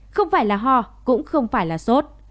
không phải là ho cũng không phải là sốt